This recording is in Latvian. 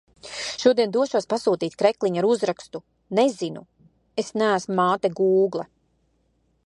Šodien došos pasūtīt krekliņu ar uzrakstu: Nezinu. Es neesmu māte Gūgle.